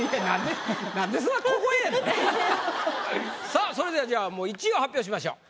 さあそれではじゃあもう１位を発表しましょう。